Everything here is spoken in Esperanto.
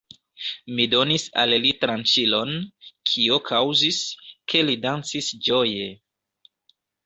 Mi donis al li tranĉilon, kio kaŭzis, ke li dancis ĝoje.